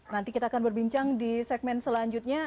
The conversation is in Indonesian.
nanti kita akan berbincang di segmen selanjutnya